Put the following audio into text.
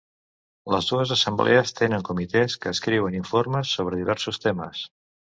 Les dues assemblees tenen comitès que escriuen informes sobre diversos temes.